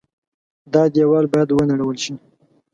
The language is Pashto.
دا دېوال باید ونړول شي.